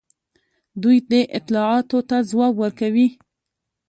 دوی دې اطلاعاتو ته ځواب ورکوي.